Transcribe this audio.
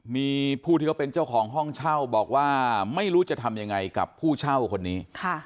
มีผู้ที่เขาเป็นเจ้าของห้องเช่าบอกว่าไม่รู้จะทำยังไงกับผู้เช่าคนนี้